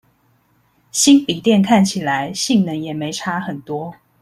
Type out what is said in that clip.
新筆電看起來性能也沒差很多